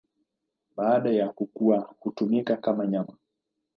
Baada ya kukua hutumika kama nyama.